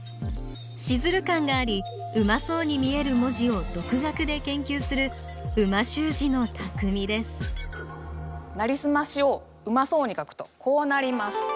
シズル感がありうまそうに見える文字を独学で研究する美味しゅう字のたくみです「なりすまし」をうまそうに書くとこうなります。